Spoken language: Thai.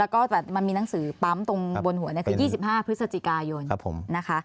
แล้วก็มีหนังสือปรั๊มตรงบนหัวเป็น๒๕พฤศจิกายน